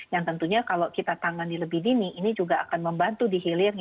yang tentunya kalau kita tangani lebih dini ini juga akan membantu di hilir